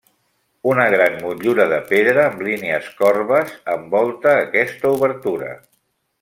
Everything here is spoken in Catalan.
Una gran motllura de pedra amb línies corbes envolta aquesta obertura.